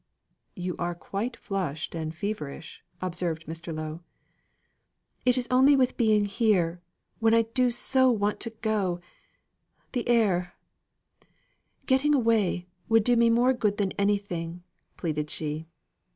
"You are quite flushed and feverish," observed Mr. Lowe. "It is only with being here, when I do so want to go. The air getting away, would do me more good than anything," pleaded she.